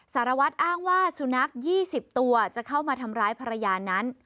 สารวัตรอ้างว่าสุนัข๒๐ตัวจะเข้ามาทำร้ายภรรยานั้น